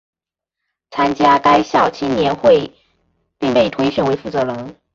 参加该校青年会并被推选为负责人。